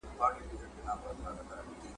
له هغه وخته چي ما پېژندی ,